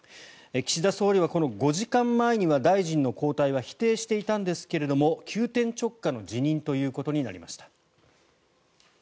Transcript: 岸田総理はこの５時間前には大臣の交代は否定していたんですけども急転直下の辞任ということになりました。